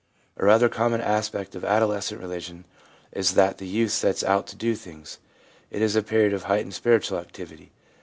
A rather common aspect of adolescent religion is that the youth sets out to do things; it is a period of heightened spiritual activity.